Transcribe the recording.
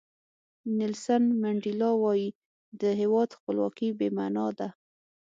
نیلسن منډیلا وایي د هیواد خپلواکي بې معنا ده.